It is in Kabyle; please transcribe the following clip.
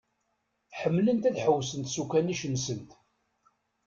Ḥemmlent ad ḥewsent s ukanic-nsent.